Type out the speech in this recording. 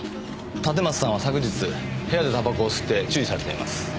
立松さんは昨日部屋でタバコを吸って注意されています。